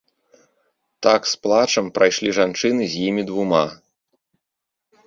Так з плачам прайшлі жанчыны з імі двума.